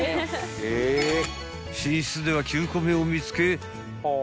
［寝室では９個目を見つけ］